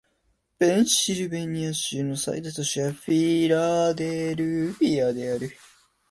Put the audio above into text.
ペンシルベニア州の最大都市はフィラデルフィアである